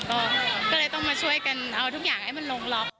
ก็เลยต้องมาช่วยกันเอาทุกอย่างให้มันลงล็อก